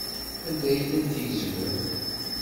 Anda ay tent-tgezmem?